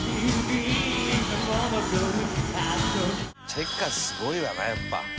「チェッカーズすごいよねやっぱ」